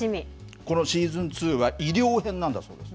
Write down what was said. このシーズン２は医療編なんだそうです。